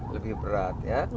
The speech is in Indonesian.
lebih berat ya